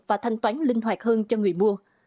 và thanh toán linh hoạt hơn cho người mua